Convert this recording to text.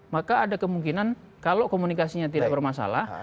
maka ada kemungkinan kalau komunikasinya tidak bermasalah